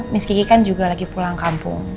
miss kiki kan juga lagi pulang kampung